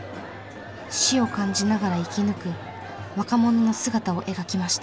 死を感じながら生き抜く若者の姿を描きました。